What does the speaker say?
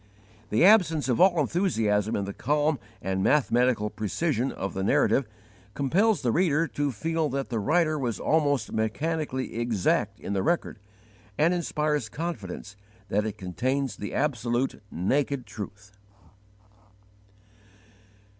The absence of all enthusiasm in the calm and mathematical precision of the narrative compels the reader to feel that the writer was almost mechanically exact in the record, and inspires confidence that it contains the absolute, naked truth.